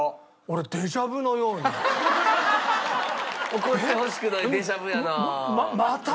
起こってほしくないデジャブやな。